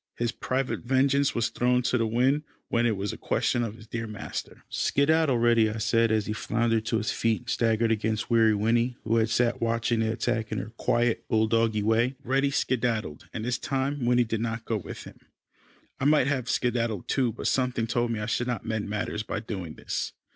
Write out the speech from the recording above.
His private vengeance was thrown to the wind, when it was a question of his dear master. "Skedaddle, Reddy," I said as he floundered to his feet, and staggered against Weary Winnie who had sat watching the attack in her quiet bull doggy way. Reddy skedaddled, and this time Winnie did not go with him. I might have skedaddled too, but something told me I should not mend matters by doing this.